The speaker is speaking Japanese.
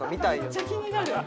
めっちゃ気になる。